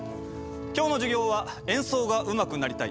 今日の授業は演奏がうまくなりたい